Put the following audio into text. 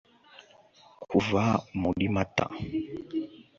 Kuva muri Mata